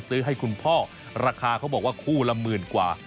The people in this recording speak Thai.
ซื้อให้คุณพ่อราคาเขาบอกว่าคู่ละหมื่นกว่า